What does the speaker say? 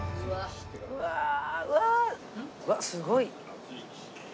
うわっすごい！